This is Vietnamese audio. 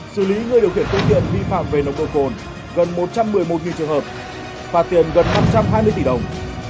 xử lý người điều khiển phương tiện vi phạm về nồng độ cồn gần một trăm một mươi một trường hợp phạt tiền gần năm trăm hai mươi tỷ đồng